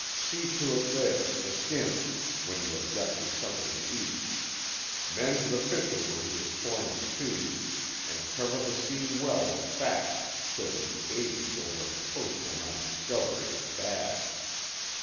See to it there the skins when you have got me something to eat. Mend the fisher where he is torn in two, and cover the seam well with fat so that the agent over at the post will not discover it is bad.